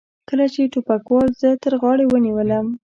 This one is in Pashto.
کله چې ټوپکوال زه تر غاړې ونیولم.